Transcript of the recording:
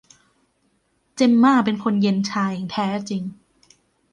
เจมม่าเป็นคนเย็นชาอย่างแท้จริง